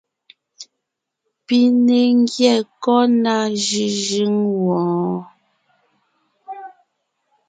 Pi ne ńgyɛ́ kɔ́ ná jʉ́jʉ́ŋ wɔɔn?